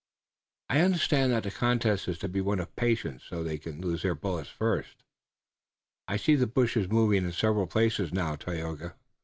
"I understand that the contest is to be one of patience. So they can loose their bullets first. I see the bushes moving in several places now, Tayoga."